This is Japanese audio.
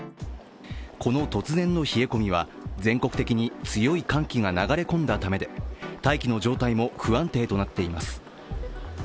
この突然の冷え込みは全国的に強い寒気が流れ込んだためで大気の状態も不安定となっています。